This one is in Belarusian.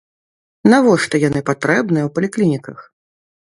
Навошта яны патрэбныя ў паліклініках?